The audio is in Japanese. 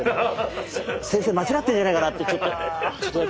先生間違ってんじゃないかなってちょっと気になってたから。